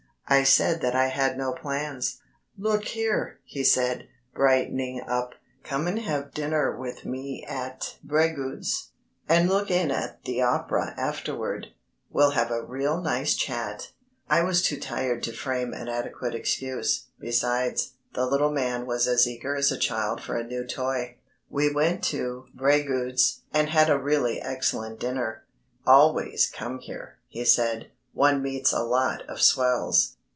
I said that I had no plans. "Look here," he said, brightening up, "come and have dinner with me at Breguet's, and look in at the Opera afterward. We'll have a real nice chat." I was too tired to frame an adequate excuse. Besides, the little man was as eager as a child for a new toy. We went to Breguet's and had a really excellent dinner. "Always come here," he said; "one meets a lot of swells.